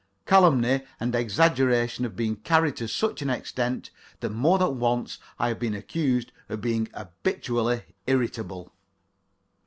Calumny and exaggeration have been carried to such an extent that more than once I have been accused of being habitually irritable.